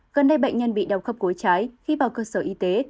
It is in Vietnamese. gần đây bệnh nhân bị đau khớp gối trái khi vào cơ sở y tế